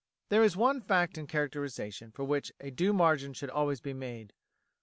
There is one fact in characterisation for which a due margin should always be made.